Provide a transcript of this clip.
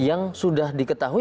yang sudah diketahui